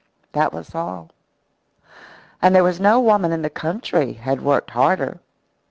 That was all. And there was no woman in the country had worked harder.